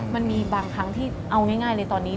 มันมีบางครั้งที่เอาง่ายเลยตอนนี้